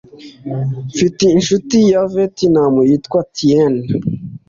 Mfite inshuti ya Vietnam. Yitwa Ti ên.